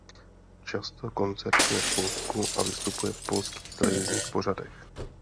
Často koncertuje v Polsku a vystupuje v polských televizních pořadech.